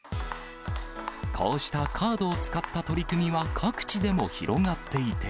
こうしたカードを使った取り組みは、各地でも広がっていて。